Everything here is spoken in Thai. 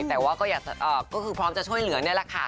แต่ว่าก็คือพร้อมจะช่วยเหลือนี่แหละค่ะ